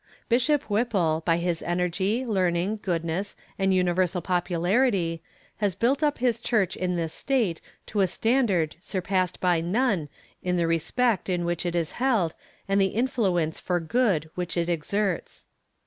Bishop Whipple, by his energy, learning, goodness and universal popularity, has built up his church in this state to a standard surpassed by none in the respect in which it is held and the influence for good which it exerts.